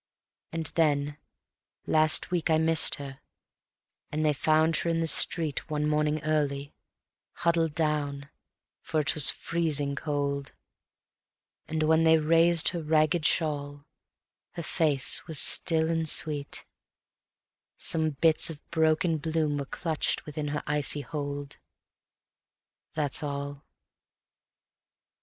And then last week I missed her, and they found her in the street One morning early, huddled down, for it was freezing cold; But when they raised her ragged shawl her face was still and sweet; Some bits of broken bloom were clutched within her icy hold. That's all.